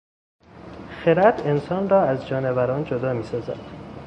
خرد انسان را از جانوران جدا میسازد.